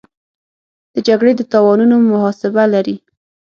د جګړې د تاوانونو محاسبه لري.